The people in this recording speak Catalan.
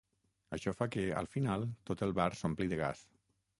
Això fa que, al final, tot el bar s'ompli de gas.